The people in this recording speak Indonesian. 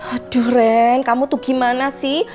aduh ren kamu tuh gimana sih